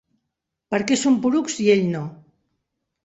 Perquè som porucs, i ell no.